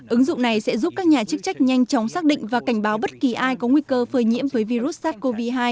ứng dụng này sẽ giúp các nhà chức trách nhanh chóng xác định và cảnh báo bất kỳ ai có nguy cơ phơi nhiễm với virus sars cov hai